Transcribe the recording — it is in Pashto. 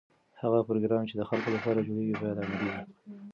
هغه پروګرام چې د خلکو لپاره جوړیږي باید عملي وي.